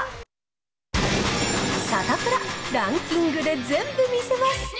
サタプラ、ランキングで全部見せます。